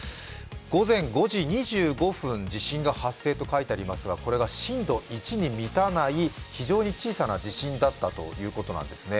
午前５時２５分、地震が発生と書いてありますがこれが震度１に満たない、非常に小さな地震だったということなんですね。